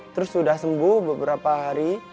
terus sudah sembuh beberapa hari